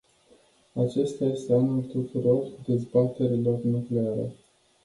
Acesta este anul tuturor dezbaterilor nucleare.